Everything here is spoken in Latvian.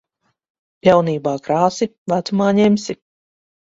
Jaunībā krāsi, vecumā ņemsi.